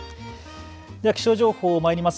気象情報まいります。